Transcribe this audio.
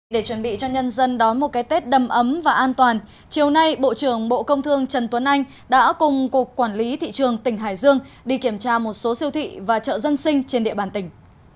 để chuẩn bị cho nhân dân đón một cái tết đầm ấm và an toàn chiều nay bộ trưởng bộ công thương trần tuấn anh đã cùng cục quản lý thị trường tỉnh hải dương đi kiểm tra một số siêu thị và chợ dân sinh trên địa bàn tỉnh